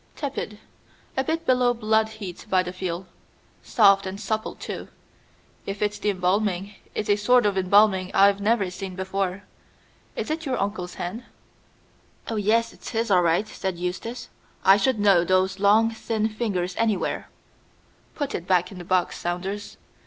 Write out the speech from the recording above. "Tepid. A bit below blood heat by the feel. Soft and supple too. If it's the embalming, it's a sort of embalming I've never seen before. Is it your uncle's hand?" "Oh, yes, it's his all right," said Eustace. "I should know those long thin fingers anywhere. Put it back in the box, Saunders.